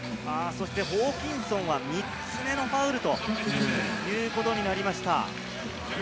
ホーキンソンは３つ目のファウルということになりました。